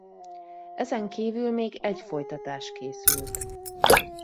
Ezen kívül még egy folytatás készült.